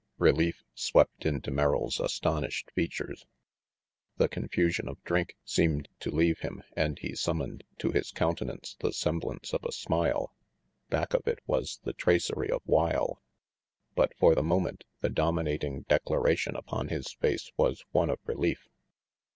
Relief swept into Merrill's astonished features. The confusion of drink seemed to leave him and he summoned to his countenance the semblance of a smile. Back of it was the tracery of wile, but for the moment the dominating declaration upon his face was one of relief.